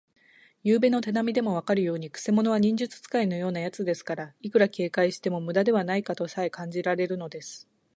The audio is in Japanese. ゆうべの手なみでもわかるように、くせ者は忍術使いのようなやつですから、いくら警戒してもむだではないかとさえ感じられるのです。